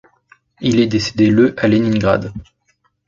Il est décédé le à Léningrad.